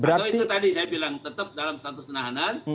atau itu tadi saya bilang tetap dalam status penahanan